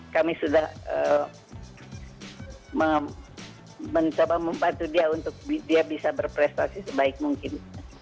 kami sudah mencoba membantu dia untuk dia bisa berprestasi sebaik mungkin